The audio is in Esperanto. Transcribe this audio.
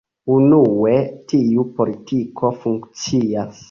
Unue, tiu politiko funkcias.